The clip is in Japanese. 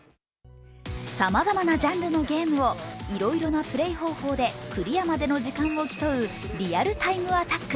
さまざまなジャンルのゲームをいろいろなプレイ方法でクリアまでの時間を競うＲｅａｌＴｉｍｅＡｔｔａｃｋ